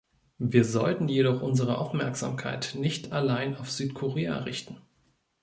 Wir sollten jedoch unsere Aufmerksamkeit nicht allein auf Südkorea richten.